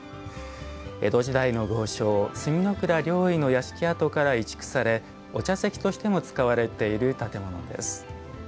江戸時代の豪商角倉了以の屋敷跡から移築されお茶席としても使われている建物です。